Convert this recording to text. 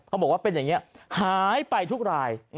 เขาบอกว่าเป็นอย่างนี้หายไปทุกราย